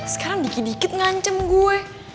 sekarang dikit dikit ngancem gue